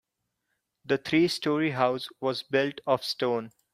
The three story house was built of stone.